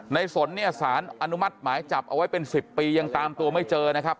สนเนี่ยสารอนุมัติหมายจับเอาไว้เป็น๑๐ปียังตามตัวไม่เจอนะครับ